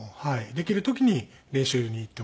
できる時に練習に行ってますけど。